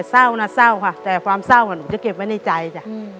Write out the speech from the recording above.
เศร้านะเศร้าค่ะแต่ความเศร้าหนูจะเก็บไว้ในใจจ้ะ